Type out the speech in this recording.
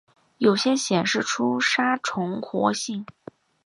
有些显示出具杀虫活性。